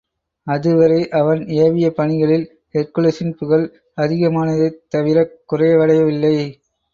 அதுவரை அவன் ஏவியபணிகளில் ஹெர்க்குலிஸின் புகழ் அதிகமானதைத் தவிரக் குறைவடையவில்லை.